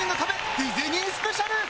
ディズニースペシャル。